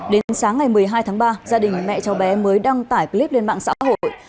đến sáng ngày một mươi hai tháng ba gia đình mẹ cháu bé mới đăng tải clip lên mạng xã hội